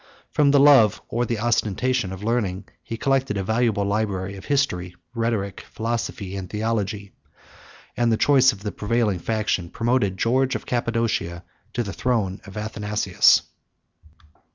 From the love, or the ostentation, of learning, he collected a valuable library of history rhetoric, philosophy, and theology, 120 and the choice of the prevailing faction promoted George of Cappadocia to the throne of Athanasius.